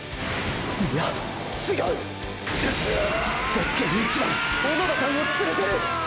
ゼッケン１番小野田さんを連れてる！！